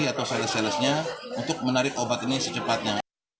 atau sales salesnya untuk menarik obat ini secepatnya